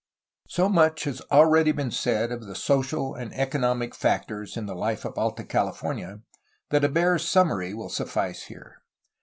So much has already been said of the social and economic factors in the life of Alta CaUfornia, that a bare summary will suffice here.